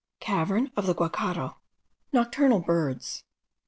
CAVERN OF THE GUACHARO. NOCTURNAL BIRDS.